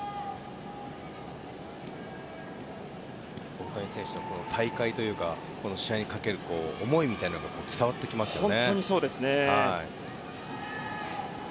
大谷選手の大会というか試合にかける思いみたいなのが伝わってきますね。